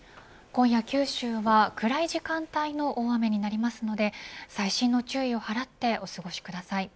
今夜九州は、暗い時間帯の大雨になりますので最新の注意を払ってお過ごしください。